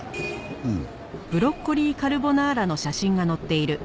うん。